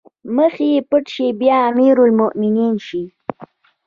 مخ يې پټ شي بيا امرالمومنين شي